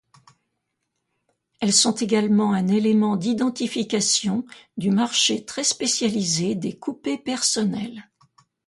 Elles sont également un élément d'identification du marché très spécialisé des coupés personnels.